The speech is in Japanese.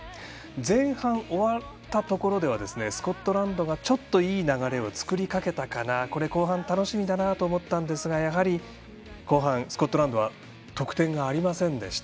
前半が終わったところではスコットランドが、ちょっといい流れを作りかけたかな後半楽しみだなと思ったんですがやはり後半、スコットランドは得点がありませんでした。